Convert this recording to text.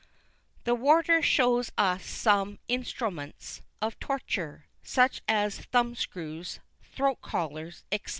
The Warder shows us some instrooments of tortur, such as thumbscrews, throat collars, etc.